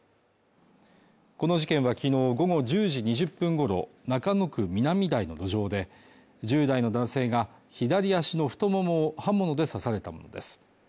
この事件はきのう午後１０時２０分ごろ中野区南台の路上で１０代の男性が左足の太ももを刃物で刺されたものです